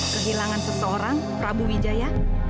kehilangan seseorang prabu wijaya